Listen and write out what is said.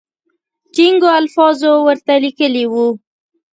ټینګو الفاظو ورته لیکلي وو.